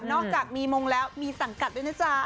อกจากมีมงแล้วมีสังกัดด้วยนะจ๊ะ